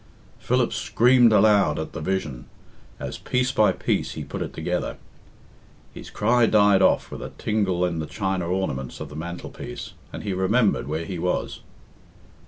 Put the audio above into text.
Philip screamed aloud at the vision, as piece by piece he put it together. His cry died off with a tingle in the china ornaments of the mantelpiece, and he remembered where he was.